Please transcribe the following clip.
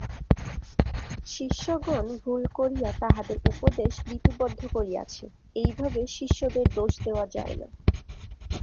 শিষ্যগণ ভুল করিয়া তাঁহাদের উপদেশ লিপিবদ্ধ করিয়াছে, এইভাবে শিষ্যদের দোষ দেওয়া যায় না।